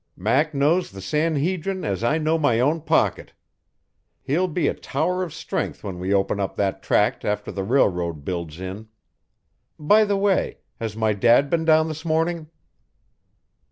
"Mac knows the San Hedrin as I know my own pocket. He'll be a tower of strength when we open up that tract after the railroad builds in. By the way, has my dad been down this morning?"